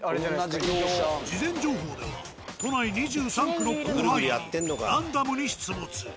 事前情報では都内２３区の広範囲にランダムに出没。